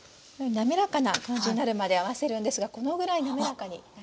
滑らかな感じになるまで合わせるんですがこのぐらい滑らかになります。